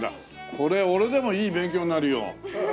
これ俺でもいい勉強になるよ。